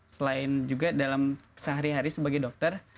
selain juga dalam sehari hari sebagai dokter